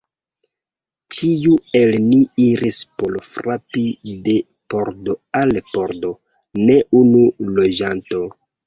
Ĉiu el ni iris por frapi de pordo al pordo: ne unu loĝanto.